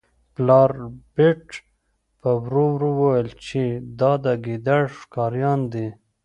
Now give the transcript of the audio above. پلار ربیټ په ورو وویل چې دا د ګیدړ ښکاریان دي